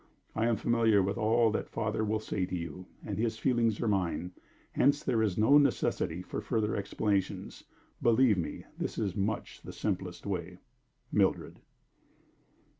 I am familiar with all that father will say to you, and his feelings are mine; hence there is no necessity for further explanations. Believe me, this is much the simplest way. "MILDRED."